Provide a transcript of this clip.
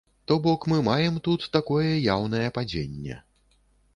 То бок мы маем тут такое яўнае падзенне.